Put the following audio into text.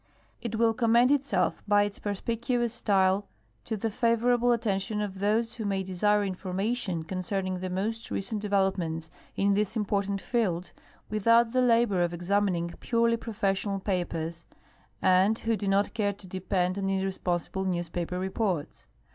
It will commend itself by its perspicuous style to the favor able attention of those who may desire information concerning the most recent developments in this important field, without the labor of examin ing ptirely professional papers, and who do not care to depend on irre sponsible newspaper reports.